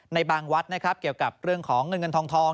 ในบางวัดนะครับเกี่ยวกับเรื่องของเงินเงินทอง